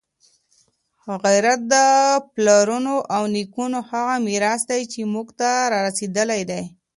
غیرت د پلرونو او نیکونو هغه میراث دی چي موږ ته رارسېدلی دی.